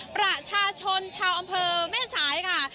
ประชาชนชาวอำเภอแม่สายค่ะ